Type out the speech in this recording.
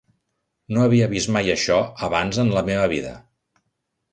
No havia vist mai això abans en la meva vida.